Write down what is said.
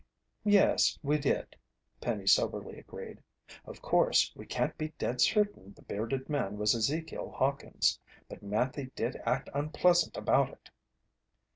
"Yes we did," Penny soberly agreed. "Of course, we can't be dead certain the bearded man was Ezekiel Hawkins. But Manthy did act unpleasant about it."